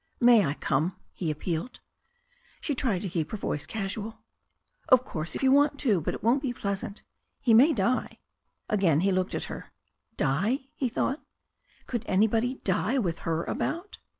"May I come?" he appealed. She tried to keep her voice casual. "Of course, if you want to. But it won't be pleasant. He may die." Again he looked at her. "Die?" he thought. "Could any body die with her about?"